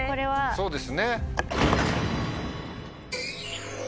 そうですね。